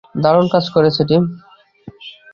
দারুন কাজ করেছো, টিম।